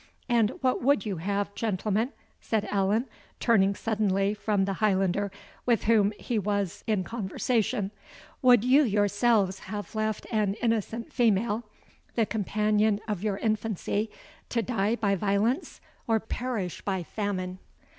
"And what would you have, gentlemen?" said Allan, turning suddenly from the Highlander with whom he was in conversation; "would you yourselves have left an innocent female, the companion of your infancy, to die by violence, or perish by famine?